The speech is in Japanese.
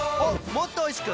もっとおいしく！